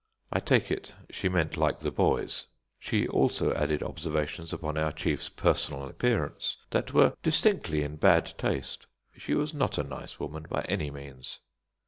I take it, she meant like the boy's. She also added observations upon our chief's personal appearance, that were distinctly in bad taste. She was not a nice woman by any means.